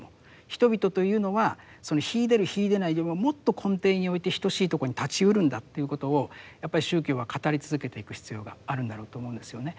人々というのは秀でる秀でないよりももっと根底において等しいとこに立ちうるんだということをやっぱり宗教は語り続けていく必要があるんだろうと思うんですよね。